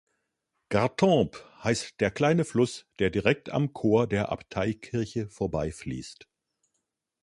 Gartempe heißt der kleine Fluss, der direkt am Chor der Abteikirche vorbeifließt.